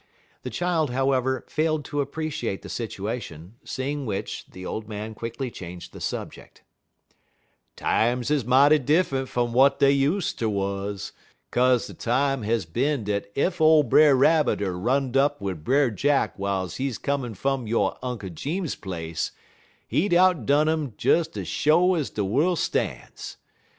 The child, however, failed to appreciate the situation, seeing which the old man quickly changed the subject. "Times is mighty diffunt fum w'at dey use ter wuz, 'kaze de time has bin dat ef ole Brer Rabbit had er run'd up wid Brer Jack w'iles he comin' fum yo' Unk Jeems place, he'd outdone 'im des ez sho' ez de worl' stan's.